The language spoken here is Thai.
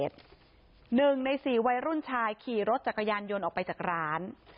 หนึ่งใน๔วัยรุ่นชายขี่รถจักรยานยนต์ออกไปจากร้าน